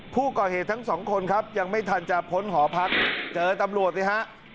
ผู้ก่อเหตุทั้งสองคนครับยังไม่ทันจะพ้นหอพักเจอตำรวจสิฮะ